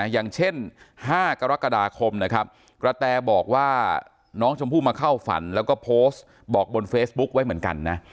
อย่างเช่น๕กรกฎาคมนะครับกระแตบอกว่าน้องชมพู่มาเข้าฝันแล้วก็โพสต์บอกบนเฟซบุ๊คไว้เหมือนกันนะ